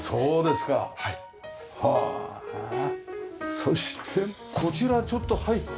そしてこちらちょっと入って。